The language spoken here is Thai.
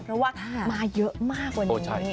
เพราะว่ามาเยอะมากวันนี้